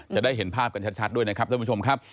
จะได้เห็นภาพกันชัดด้วยนะครับท่านผู้ชมครับ